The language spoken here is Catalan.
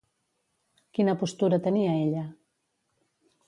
Quina postura tenia ella?